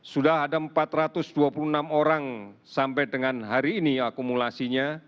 sudah ada empat ratus dua puluh enam orang sampai dengan hari ini akumulasinya